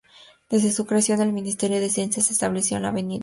Desde su creación, el Ministerio de Ciencia se estableció en la Av.